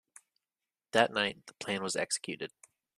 That night, the plan was executed.